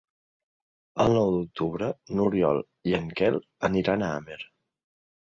El nou d'octubre n'Oriol i en Quel aniran a Amer.